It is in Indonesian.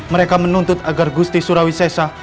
mereka menuntut agar gusti surawi sesa